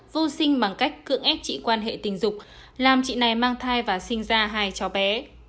vô sinh bằng cách cưỡng ép chị quan hệ tình dục làm chị này mang thai và sinh ra hai cháu bé